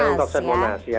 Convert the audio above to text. di dalam kawasan monas ya